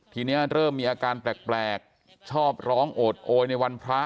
ทีนี้เริ่มมีอาการแปลกชอบร้องโอดโอยในวันพระ